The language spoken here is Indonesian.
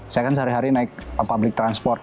saya kan sehari hari naik public transport